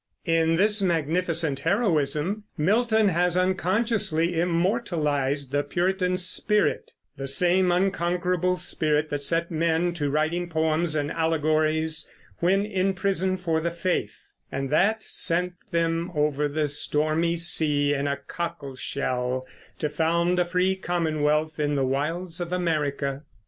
In this magnificent heroism Milton has unconsciously immortalized the Puritan spirit, the same unconquerable spirit that set men to writing poems and allegories when in prison for the faith, and that sent them over the stormy sea in a cockleshell to found a free commonwealth in the wilds of America.